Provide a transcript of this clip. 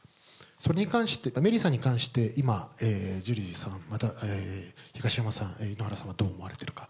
それに関して、メリーさんに関して、今、ジュリーさん、また東山さん、井ノ原さんはどう思われてるか。